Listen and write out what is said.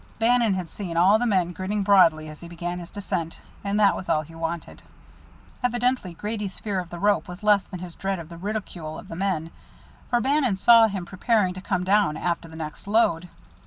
Bannon had seen all the men grinning broadly as he began his descent, and that was all he wanted. Evidently Grady's fear of the rope was less than his dread of the ridicule of the men, for Bannon saw him preparing to come down after the next load.